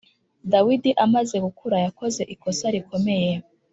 Dawidi amaze gukura yakoze ikosa rikomeye